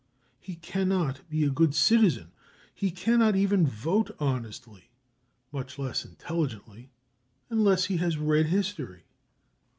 He cannot be a good citizen, he cannot even vote honestly, much less intelligently, unless he has read history.